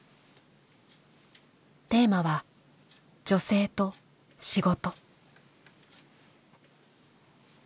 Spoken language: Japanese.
テーマは「女性と仕事」。